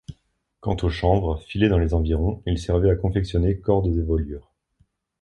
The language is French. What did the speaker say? Quant au chanvre, filé dans les environs, il servait à confectionner cordes et voilures.